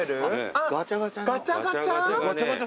あっガチャガチャ？